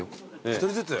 １人ずつ？